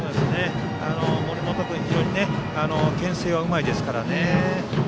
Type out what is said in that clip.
森本君、非常にけん制はうまいですからね。